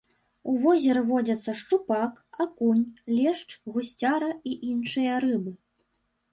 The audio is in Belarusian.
У возеры водзяцца шчупак, акунь, лешч, гусцяра і іншыя рыбы.